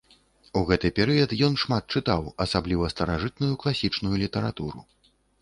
У гэты перыяд ён шмат чытаў, асабліва старажытную класічную літаратуру.